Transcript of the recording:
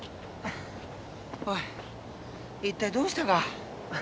おい一体どうしたが？